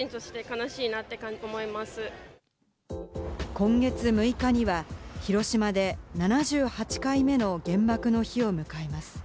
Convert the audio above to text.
今月６日には広島で７８回目の原爆の日を迎えます。